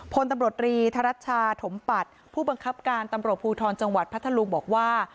พลตำรวจรีธรัชชาถมปัตย์ผู้บังคับการตำรวจภูทรจังหวัดพัทธลุงบอกว่า